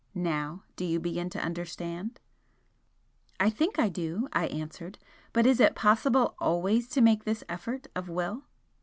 Now, do you begin to understand?" "I think I do," I answered "But is it possible always to make this effort of the Will?"